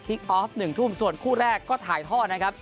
ออฟ๑ทุ่มส่วนคู่แรกก็ถ่ายทอดนะครับ